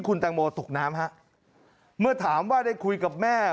คุณแตงโมตกน้ำฮะเมื่อถามว่าได้คุยกับแม่